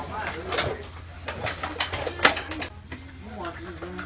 อันตัวนี้อยู่ละอันตัวเมล็ดขึ้นแล้วหยุดเลย